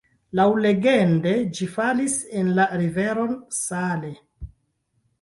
Laŭlegende ĝi falis en la riveron Saale.